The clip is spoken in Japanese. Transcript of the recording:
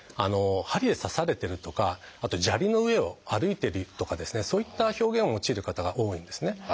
針で刺されてるとかあと砂利の上を歩いてるとかそういった表現を用いる方が多いんですね。